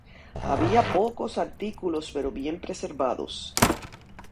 Había pocos artículos pero bien preservados.